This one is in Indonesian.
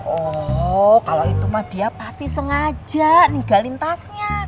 oh kalau itu ma dia pasti sengaja ninggalin tasnya